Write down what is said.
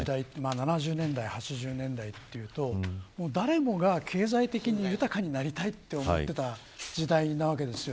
７０年代、８０年代というと誰もが、経済的に豊かになりたいと思っていた時代なわけですよ。